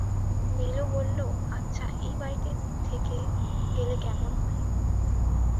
নীলু বলল, আচ্ছা, এই বাড়িতে থেকে গেলে কেমন হয়?